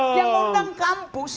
yang undang kampus